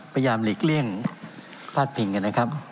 พยายามหลีกเลี่ยงภาคผิงกันนะครับ